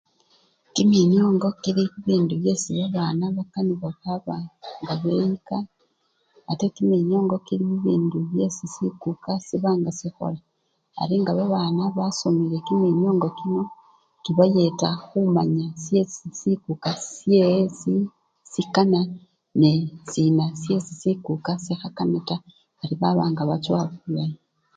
Kiminiongo kili bibindu byesi babana bakanibwa nga beyika ate kiminiongo kili bibindu byesi sikuka siba nga sikhola, ari nga babana basomele kiminiongo kino kibayeta khumanya syesi sikuka syesi sikana nende sina syesi sikuka sikhakana taa ari baba nga bachowa ngabamanya.